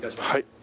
はい。